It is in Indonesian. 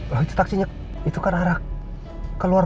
loh itu taksinya itu kan arah keluar